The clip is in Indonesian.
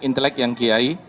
intelek yang kiai